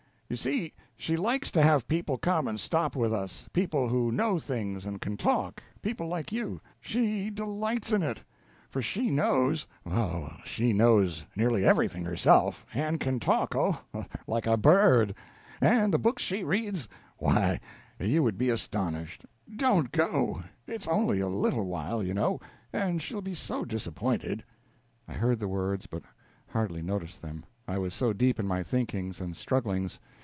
"You see, she likes to have people come and stop with us people who know things, and can talk people like you. She delights in it; for she knows oh, she knows nearly everything herself, and can talk, oh, like a bird and the books she reads, why, you would be astonished. Don't go; it's only a little while, you know, and she'll be so disappointed." I heard the words, but hardly noticed them, I was so deep in my thinkings and strugglings.